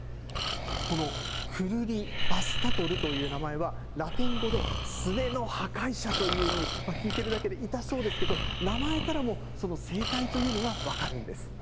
このクルリヴァスタトルという名前は、ラテン語で、すねの破壊者という意味、聞いてるだけで痛そうですけど、名前からもその生態というのが分かるんです。